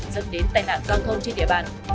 dẫn đến tài nạn giao thông trên địa bàn